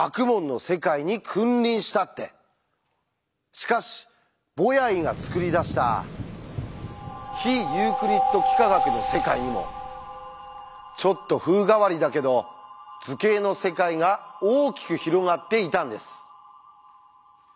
しかしボヤイが作り出した非ユークリッド幾何学の世界にもちょっと風変わりだけど図形の世界が大きく広がっていたんです。